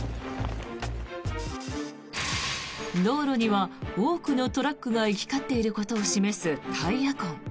道路には多くのトラックが行き交っていることを示すタイヤ痕。